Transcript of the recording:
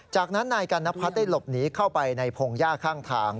จากนั้นนายกัณพัฒน์ได้หลบหนีเข้าไปในพงหญ้าข้างทาง